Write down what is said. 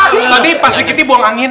tadi pak sadiq kiti buang angin